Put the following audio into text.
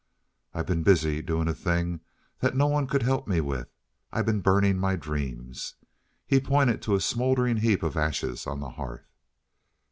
"I've been busy doing a thing that no one could help me with. I've been burning my dreams." He pointed to a smoldering heap of ashes on the hearth.